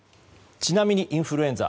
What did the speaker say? ちなみにインフルエンザ